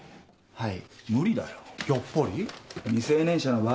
はい。